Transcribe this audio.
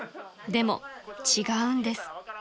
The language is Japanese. ［でも違うんです］